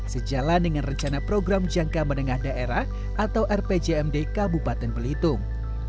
sejalan dengan rencana program jangka menengah daerah atau rpjmd kabupaten belitung